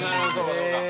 そうか。